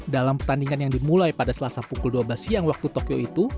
dalam pertandingan yang dimulai pada selasa pukul dua belas siang waktu tokyo itu